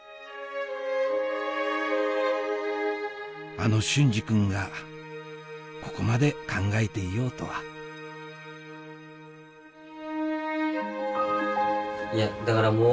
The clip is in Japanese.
あの隼司君がここまで考えていようとはだからもう。